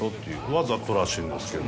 わざとらしいんですけど。